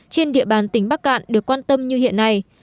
trên địa bàn tỉnh bắc cạn được quan tâm như hiện nay